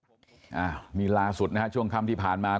อ่าวแล้วมีล้าสุดภาพช่องคำที่ผ่านมา